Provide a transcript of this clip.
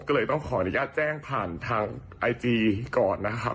ก็เลยต้องขออนุญาตแจ้งผ่านทางไอจีก่อนนะครับ